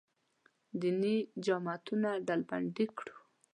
دیني جماعتونه ډلبندي کړو.